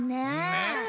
ねえ。